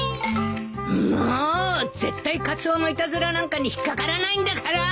もう絶対カツオのいたずらなんかに引っ掛からないんだから